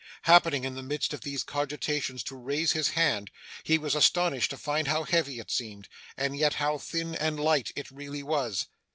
Happening, in the midst of these cogitations, to raise his hand, he was astonished to find how heavy it seemed, and yet how thin and light it really was.